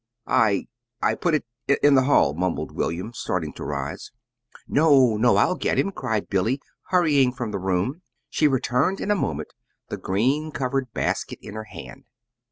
"I I put it in in the hall," mumbled William, starting to rise. "No, no; I'll get him," cried Billy, hurrying from the room. She returned in a moment, the green covered basket in her hand.